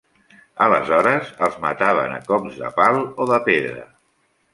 Aleshores els mataven a cops de pal o de pedra.